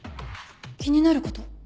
気になること？